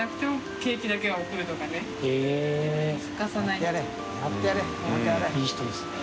いい人ですね。